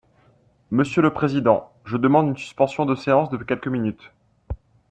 Monsieur le président, je demande une suspension de séance de quelques minutes.